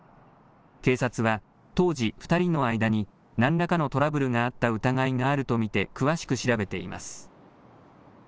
警察は、当時、２人の間になんらかのトラブルがあった疑いがあると見て詳しく調べています。